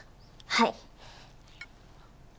はい。